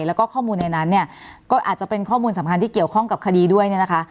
แล้วก็ข้อมูลในนั้นเนี่ยก็อาจจะเป็นข้อมูลสำคัญที่เกี่ยวข้องกับคดีด้วยเนี่ยนะคะ